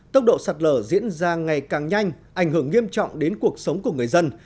tốc độ sạt lở diễn ra ngày càng nhanh ảnh hưởng nghiêm trọng đến cuộc sống của người dân